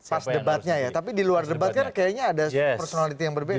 pas debatnya ya tapi di luar debat kan kayaknya ada personality yang berbeda